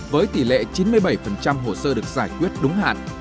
với tỷ lệ chín mươi bảy hồ sơ được giải quyết đúng hạn